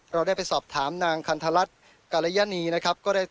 เราได้ไปสอบถามนางคันธรัตน์กาลยะนีนะครับ